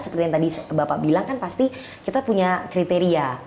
seperti yang tadi bapak bilang kan pasti kita punya kriteria